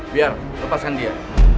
biar lepaskan dia